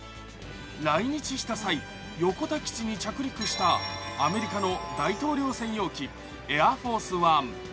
来日した際、横田基地に着陸したアメリカの大統領専用機エアフォースワン。